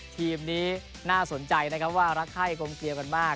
ทีมนี้น่าสนใจนะครับว่ารักไข้กลมเกลียวกันมาก